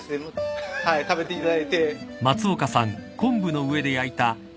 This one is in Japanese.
食べていただいて。